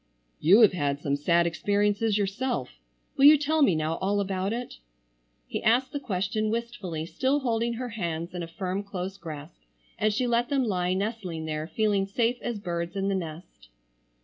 "You have had some sad experiences yourself. Will you tell me now all about it?" He asked the question wistfully still holding her hands in a firm close grasp, and she let them lie nestling there feeling safe as birds in the nest.